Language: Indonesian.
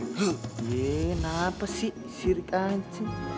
yee kenapa sih sirik anjing